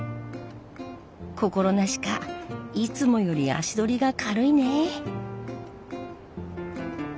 心なしかいつもより足取りが軽いね。